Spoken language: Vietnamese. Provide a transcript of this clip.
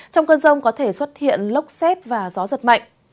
trong cơn rông có thể xuất hiện lốc xét và gió giật mạnh